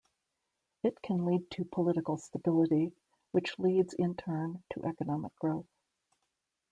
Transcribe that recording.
It can lead to political stability which leads, in turn, to economic growth.